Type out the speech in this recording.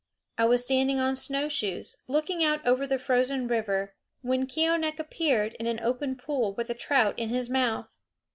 I was standing on snowshoes, looking out over the frozen river, when Keeonekh appeared in an open pool with a trout in his mouth.